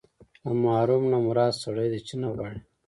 له محروم نه مراد سړی دی چې نه غواړي.